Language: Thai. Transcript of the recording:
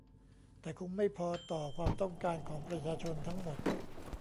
แต่คงไม่พอต่อความต้องการของประชาชนทั้งหมด